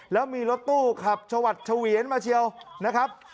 แล้วมีรถตู้ขับชวัดเฉวียนมาเชียวนะครับ